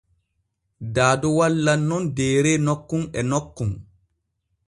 Daado wallan nun deere nokkun e nokkun.